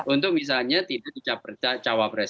untuk misalnya tidak cawapres